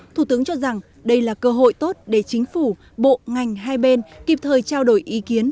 thủ tướng cho rằng đây là cơ hội tốt để chính phủ bộ ngành hai bên kịp thời trao đổi ý kiến